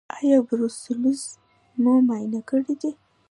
ایا بروسلوز مو معاینه کړی دی؟